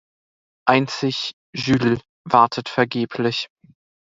Einzig Jules wartet vergeblich.